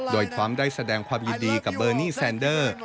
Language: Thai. โดยทรัมป์ได้แสดงความยินดีกับเบอร์นี่แซนเดอร์